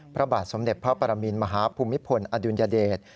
พระบาทสมเด็จพระปรมินมหาภูมิพลอดุลยเดช